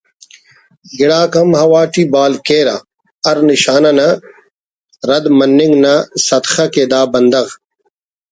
گڑاک ہم ہوا ٹی بال کیرہ ہرنشانہ نا رد مننگ نا سدخہ کہ دا بندغ